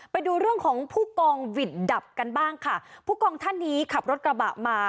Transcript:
ไปดูเรื่องของผู้กองหวิดดับกันบ้างค่ะผู้กองท่านนี้ขับรถกระบะมา